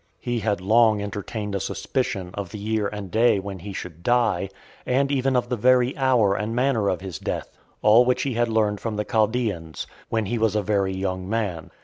He had long entertained a suspicion of the year and day when he should die, and even of the very hour and manner of his death; all which he had learned from the Chaldaeans, when he was a very young man.